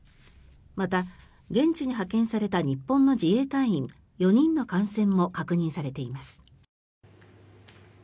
また、現地に派遣された日本の自衛隊員４人の感染も確認されています。